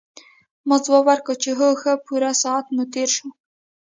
ما ځواب ورکړ چې هو ښه پوره ساعت مو تېر شو.